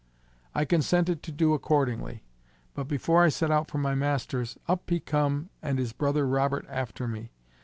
I consented to do accordingly. But before I set out for my master's, up he come and his brother Robert after me.